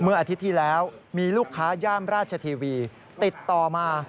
อาทิตย์ที่แล้วมีลูกค้าย่านราชทีวีติดต่อมา